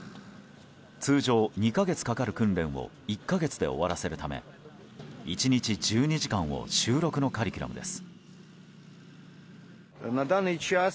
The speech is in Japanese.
通常２か月かかる訓練を１か月で終わらせるため１日１２時間を週６のカリキュラムです。